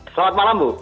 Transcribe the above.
selamat malam bu